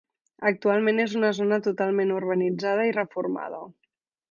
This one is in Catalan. Actualment és una zona totalment urbanitzada i reformada.